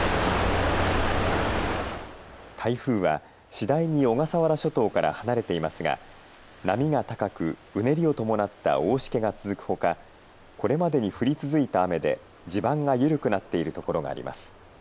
台風は次第に小笠原諸島から離れていますが波が高くうねりを伴った大しけが続くほかこれまでに降り続いた雨で地盤が緩くなっているところがあります。